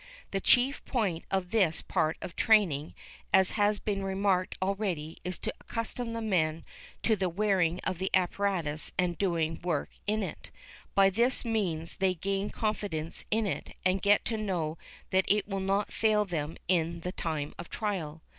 The chief point of this part of the training, as has been remarked already, is to accustom the men to the wearing of the apparatus and to doing work in it. By this means they gain confidence in it, and get to know that it will not fail them in the time of trial.